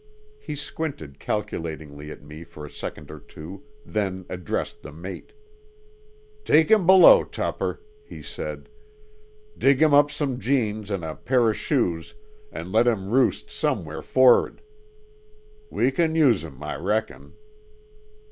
He squinted calculatingly at me for a second or two, then addressed the mate. "Take 'im below, Tupper," he said. "Dig 'im up some jeans an' a pair o' shoes, an' let 'im roost somewhere forrad. We can use 'im, I reckon."